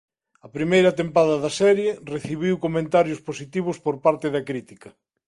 A primeira tempada da serie recibiu comentario positivos por parte da crítica.